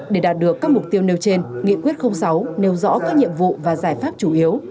để đạt được các mục tiêu nêu trên nghị quyết sáu nêu rõ các nhiệm vụ và giải pháp chủ yếu